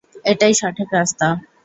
এটাই সঠিক রাস্তা।